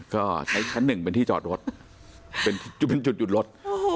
ก็ใช้ชั้นหนึ่งเป็นที่จอดรถเป็นจุดหยุดรถ